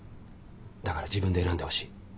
だから自分で選んでほしい。